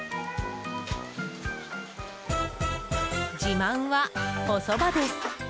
自慢は、おそばです。